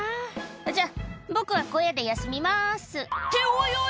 「じゃあ僕は小屋で休みます」っておいおい！